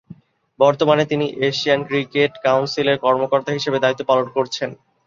বর্তমানে তিনি Asian cricket কাউন্সিলের কর্মকর্তা হিসেবে দায়িত্ব পালন করছেন।